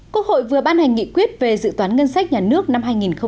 quốc hội vừa ban hành nghị quyết về dự toán ngân sách nhà nước năm hai nghìn hai mươi